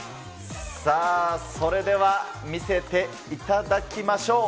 さあ、それでは見せていただきましょう。